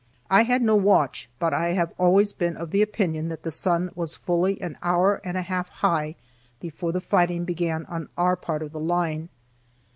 I had no watch, but I have always been of the opinion that the sun was fully an hour and a half high before the fighting began on our part of the line.